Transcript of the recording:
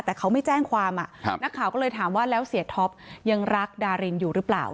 แต่เขาไม่แจ้งความนักข่าวก็เลยถามว่าแล้วเสียท็อปยังรักดารินอยู่หรือเปล่า